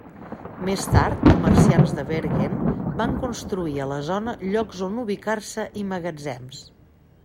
Més tard, comerciants de Bergen van construir a la zona llocs on ubicar-se i magatzems.